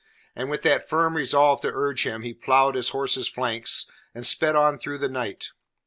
And with that firm resolve to urge him, he ploughed his horse's flanks, and sped on through the night.